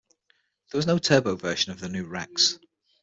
There was no turbo version of the new Rex.